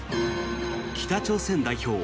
北朝鮮代表